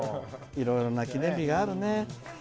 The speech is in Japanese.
いろいろな記念日があるね。